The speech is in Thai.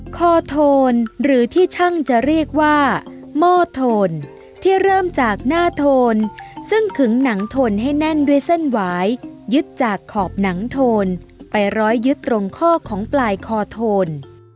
คอโทนหรือที่ช่างจะเรียกว่าหม้อโทนที่เริ่มจากหน้าโทนซึ่งขึงหนังโทนให้แน่นด้วยเส้นหวายยึดจากขอบหนังโทนไปร้อยยึดตรงข้อของปลายคอโทน